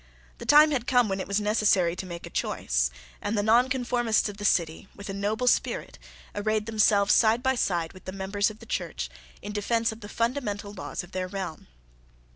The time had come when it was necessary to make a choice: and the Nonconformists of the City, with a noble spirit, arrayed themselves side by side with the members of the Church in defence of the fundamental laws of the realm.